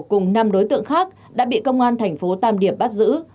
cùng năm đối tượng khác đã bị công an thành phố tam điệp bắt giữ